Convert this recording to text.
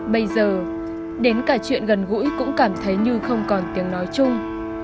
bây giờ đến cả chuyện gần gũi cũng cảm thấy như không còn tiếng nói chung